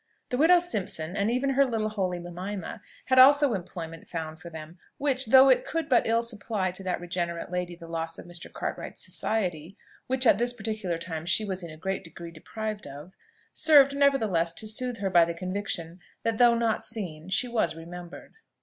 The widow Simpson, and even her little holy Mimima, had also employment found for them; which, though it could but ill supply to that regenerate lady the loss of Mr. Cartwright's society, which at this particular time she was in a great degree deprived of, served, nevertheless, to soothe her by the conviction, that though not seen, she was remembered.